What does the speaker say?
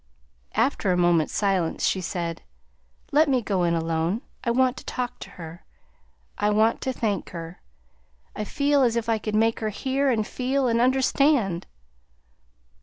After a moment's silence she said: "Let me go in alone; I want to talk to her; I want to thank her; I feel as if I could make her hear and feel and understand!"